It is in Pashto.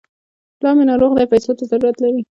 پلار مې ناروغ دی، پيسو ته ضرورت لرم.